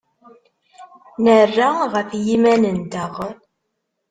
Nerra ɣef yiman-nteɣ.